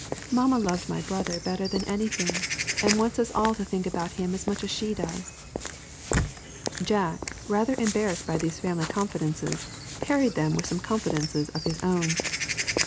Mamma loved my brother better than anything, and wants us all to think about him as much as she does." Jack, rather embarrassed by these family confidences, parried them with some confidences of his own.